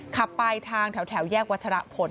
ขับไปทางแถวแยกวัชรพล